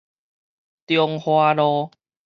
中華路